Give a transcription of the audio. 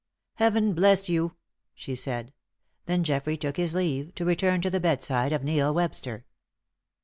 "Heaven bless you!" she said. Then Geoffrey took his leave, to return to the bedside of Neil Webster.